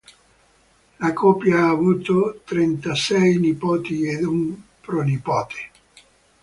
La coppia ha avuto trentasei nipoti ed un pronipote.